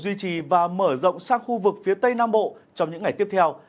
duy trì và mở rộng sang khu vực phía tây nam bộ trong những ngày tiếp theo